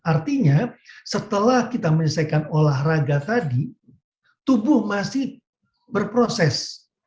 artinya setelah kita menyelesaikan olahraga tadi tubuh masih berproses